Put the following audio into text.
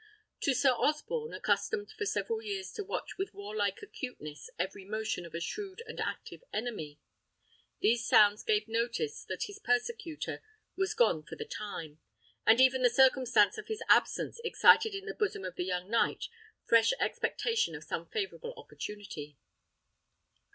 To Sir Osborne, accustomed for several years to watch with warlike acuteness every motion of a shrewd and active enemy, these sounds gave notice that his persecutor was gone for the time, and even the circumstance of his absence excited in the bosom of the young knight fresh expectation of some favourable opportunity.